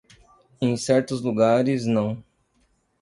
Em certos lugares, não.